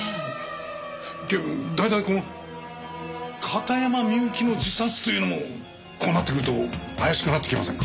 警部大体この片山みゆきの自殺というのもこうなってくると怪しくなってきませんか？